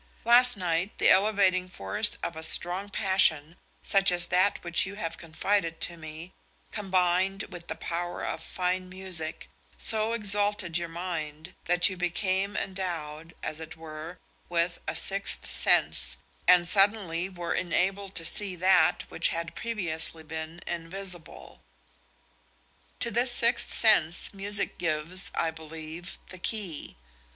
Last night the elevating force of a strong passion, such as that which you have confided to me, combined with the power of fine music, so exalted your mind that you became endowed, as it were, with a sixth sense, and suddenly were enabled to see that which had previously been invisible. To this sixth sense music gives, I believe, the key.